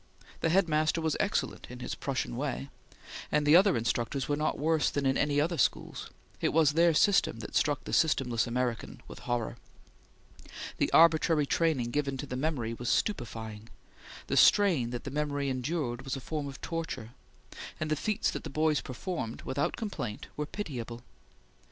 The head master was excellent in his Prussian way, and the other instructors were not worse than in other schools; it was their system that struck the systemless American with horror. The arbitrary training given to the memory was stupefying; the strain that the memory endured was a form of torture; and the feats that the boys performed, without complaint, were pitiable.